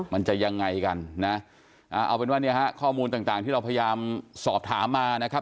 มันจะยังไงกันนะเอาเป็นว่าเนี่ยฮะข้อมูลต่างที่เราพยายามสอบถามมานะครับ